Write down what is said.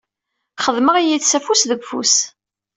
Xedmeɣ yid-s afus deg ufus.